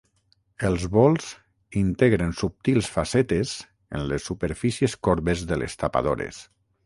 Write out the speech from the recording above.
Els bols integren subtils facetes en les superfícies corbes de les tapadores.